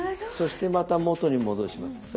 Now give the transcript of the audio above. そしてまた元に戻します。